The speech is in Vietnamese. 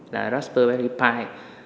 là raspberry pi